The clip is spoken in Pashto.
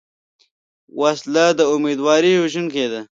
وسله د امیدواري وژونکې ده